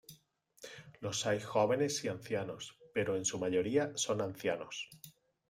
Los hay jóvenes y ancianos, pero en su mayoría son ancianos.